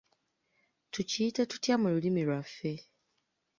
Tukiyite tutya mu lulimi lwaffe?